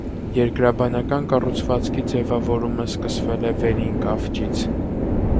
Երկրաբանական կառուցվածքի ձևավորումը սկսվել է վերին կավճից։